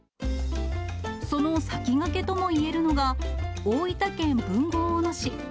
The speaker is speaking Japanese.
その先駆けともいえるのが、大分県豊後大野市。